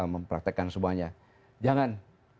mempraktekkan semuanya jangan